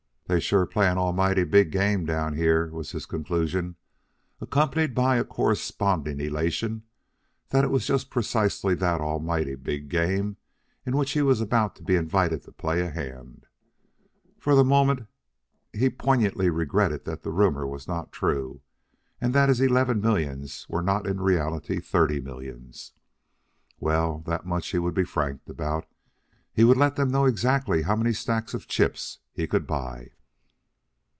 "They sure play an almighty big game down here," was his conclusion, accompanied by a corresponding elation that it was just precisely that almighty big game in which he was about to be invited to play a hand. For the moment he poignantly regretted that rumor was not true, and that his eleven millions were not in reality thirty millions. Well, that much he would be frank about; he would let them know exactly how many stacks of chips he could buy.